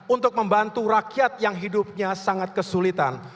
untuk membantu rakyat yang hidupnya sangat kesulitan